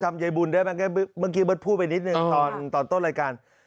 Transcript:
ยายบุญได้ไหมเมื่อกี้เบิร์ตพูดไปนิดนึงตอนต้นรายการ